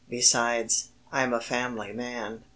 Besides, I'm a family man."